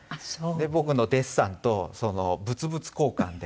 僕のデッサンと物々交換で。